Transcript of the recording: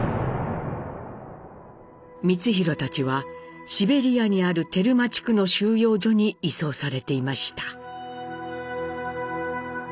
光宏たちはシベリアにあるテルマ地区の収容所に移送されていました。